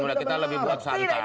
udah kita lebih buat santai